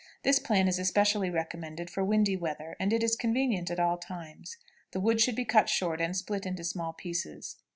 This plan is especially recommended for windy weather, and it is convenient at all times. The wood should be cut short, and split into small pieces.